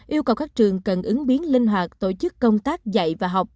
yêu cầu các trường cần ứng biến linh hoạt tổ chức công tác dạy và học